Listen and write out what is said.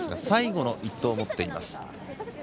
最後の１投を持っています。